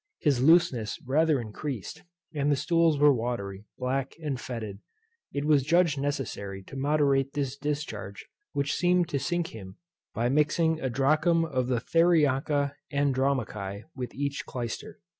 His looseness rather increased, and the stools were watery, black, and foetid: It was judged necessary to moderate this discharge, which seemed to sink him, by mixing a drachm of the theriaca Andromachi with each clyster.